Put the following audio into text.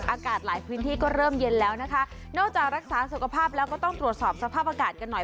อากาศหลายพื้นที่ก็เริ่มเย็นแล้วนะคะนอกจากรักษาสุขภาพแล้วก็ต้องตรวจสอบสภาพอากาศกันหน่อย